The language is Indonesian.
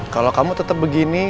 kalau kamu tetap begini